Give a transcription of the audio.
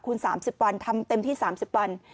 คุณ๓๐วันทำเต็มที่๓๐วัน